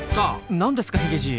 何ですかヒゲじい。